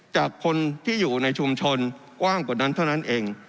จากคนที่อยู่ในชุมชนกว้างกว่านั้นเท่านั้นเอง